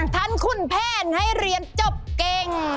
ท่านขุนแผนให้เรียนจบเก่ง